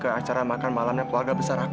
ke acara makan malamnya keluarga besar aku